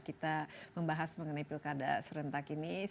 kita membahas mengenai pilkada serentak ini